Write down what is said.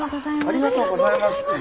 ありがとうございます！